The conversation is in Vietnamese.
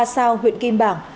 ba sao huyện kim bảng